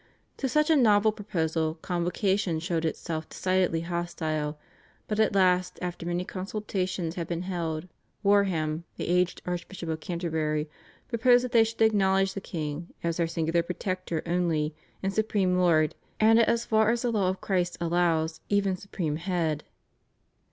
To such a novel proposal Convocation showed itself decidedly hostile, but at last after many consultations had been held Warham, the aged Archbishop of Canterbury, proposed that they should acknowledge the king as "their singular protector only, and supreme lord, and as far as the law of Christ allows even supreme head."